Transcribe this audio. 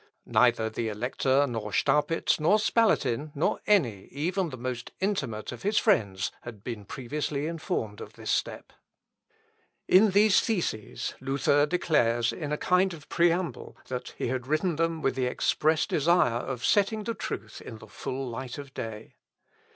Neither the Elector, nor Staupitz, nor Spalatin, nor any, even the most intimate of his friends, had been previously informed of this step. In these theses, Luther declares, in a kind of preamble, that he had written them with the express desire of setting the truth in the full light of day.